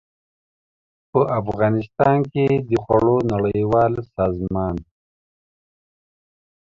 په افغانستان کې د خوړو نړیوال سازمان